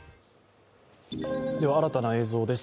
新たな映像です。